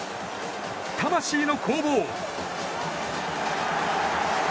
魂の攻防！